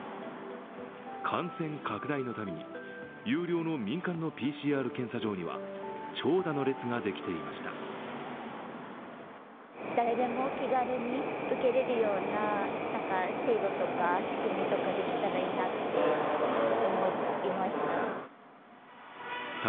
感染拡大のたびに有料の民間のＰＣＲ検査場には長蛇の列ができていました。